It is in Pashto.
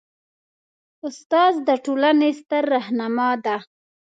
استاد د ټولنې ستر رهنما دی.